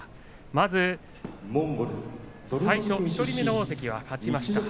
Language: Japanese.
まず最初１人目の大関は勝ちました。